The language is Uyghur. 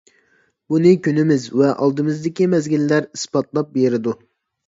بۇنى كۈنىمىز ۋە ئالدىمىزدىكى مەزگىللەر ئىسپاتلاپ بېرىدۇ.